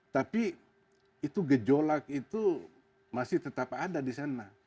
tapi itu gejolak itu masih tetap ada di sana